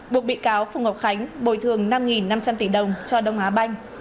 buộc bị cáo phùng ngọc khánh bồi thường năm năm trăm linh tỷ đồng cho đông á banh